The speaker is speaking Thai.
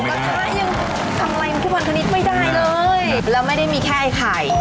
และไม่ได้มีแค่ไอ้ไข่